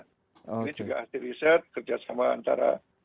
ini juga hasil riset kerjasama antara